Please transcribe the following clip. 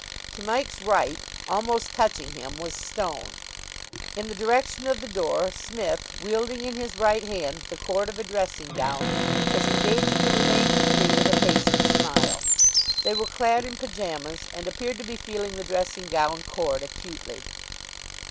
To Mike's right, almost touching him, was Stone. In the direction of the door, Psmith, wielding in his right hand the cord of a dressing gown, was engaging the remaining three with a patient smile. They were clad in pyjamas, and appeared to be feeling the dressing gown cord acutely.